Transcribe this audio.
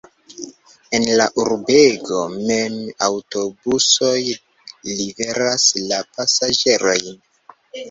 En la urbego mem aŭtobusoj liveras la pasaĝerojn.